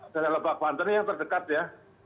dari lebak panten yang terdekat ya